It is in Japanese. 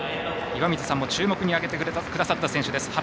岩水さんも注目に上げてくださった選手です。